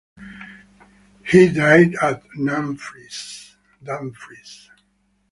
He died at Dumfries.